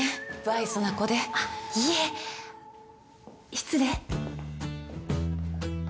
失礼。